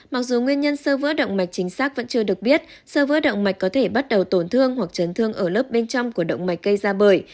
mặc dù nguyên nhân sơ vỡ động mạch chính xác vẫn chưa được biết sơ vữa động mạch có thể bắt đầu tổn thương hoặc chấn thương ở lớp bên trong của động mạch cây ra bởi